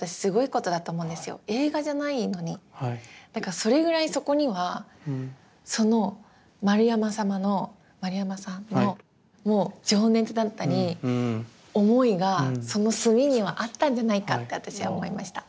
それぐらいそこにはその円山様の円山さんの情熱だったり思いがその墨にはあったんじゃないかって私は思いました。